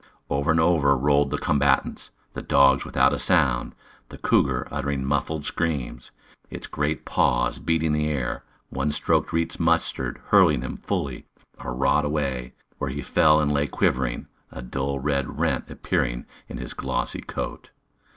Over and over rolled the combatants, the dogs without a sound the cougar uttering muffled screams, its great paws beating the air. One stroke reached Mustard, hurling him fully a rod away, where he fell and lay quivering, a dull red rent appearing in his glossy coat.